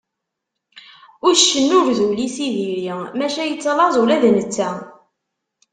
Uccen ur d ul-is i diri, maca yettlaẓ ula d netta.